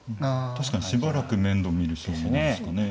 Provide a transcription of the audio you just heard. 確かにしばらく面倒見る将棋なんですかね。